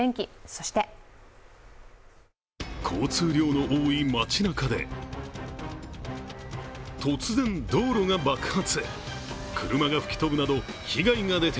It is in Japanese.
そして交通量の多い街なかで突然道路が爆発。